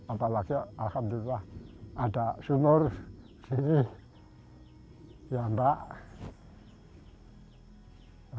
apalagi alhamdulillah ada sumur di ampak